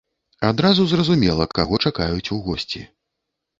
Адразу зразумела, каго чакаюць у госці.